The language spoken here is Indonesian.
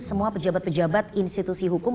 semua pejabat pejabat institusi hukum